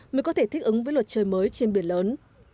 mới có thể thích ứng với luật chơi mới trên biển lớn